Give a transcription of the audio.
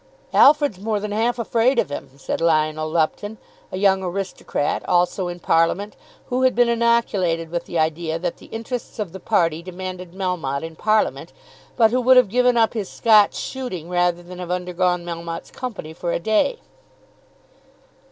"Alfred's more than half afraid of him," said Lionel Lupton, a young aristocrat, also in Parliament, who had been inoculated with the idea that the interests of the party demanded Melmotte in Parliament, but who would have given up his Scotch shooting rather than have undergone Melmotte's company for a day.